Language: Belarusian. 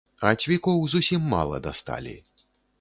А цвікоў зусім мала дасталі.